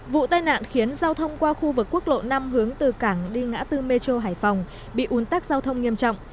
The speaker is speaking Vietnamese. vụ tai nạn khiến giao thông qua khu vực quốc lộ năm hướng từ cảng đi ngã tư metro hải phòng bị un tắc giao thông nghiêm trọng